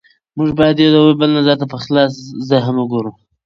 موږ باید د یو بل نظر ته په خلاص ذهن وګورو